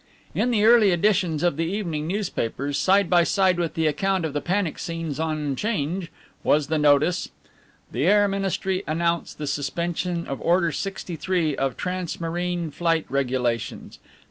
In the early editions of the evening newspapers, side by side with the account of the panic scenes on 'Change was the notice: "The Air Ministry announce the suspension of Order 63 of Trans Marine Flight Regulations.